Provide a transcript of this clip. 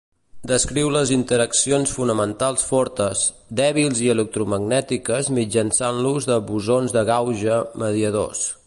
Descriu les interaccions fonamentals fortes, dèbils i electromagnètiques mitjançant l'ús de bosons de gauge mediadors.